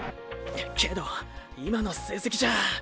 けど今の成績じゃ。